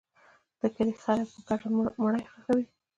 د کلي خلک په ګډه مړی ښخوي.